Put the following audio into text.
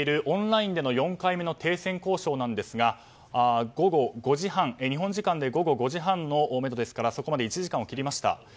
オンラインでの４回目の停戦交渉なんですが日本時間午後５時半めどですからそこまで１時間を切りました。